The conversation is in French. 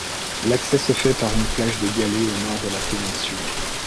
L'accès se fait par une plage de galets au nord de la péninsule.